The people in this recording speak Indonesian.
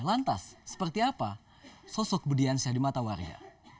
lantas seperti apa sosok budi ansyah di mata warga